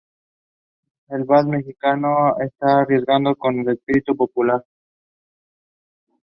Alpine routes at Mount Frances